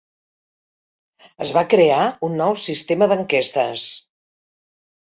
Es va crear un nou sistema d'enquestes.